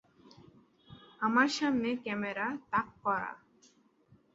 আমার সামনে ক্যামেরা তাক করা।